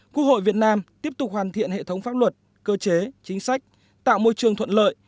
quốc hội việt nam tiếp tục hoàn thiện hệ thống pháp luật cơ chế chính sách tạo môi trường thuận lợi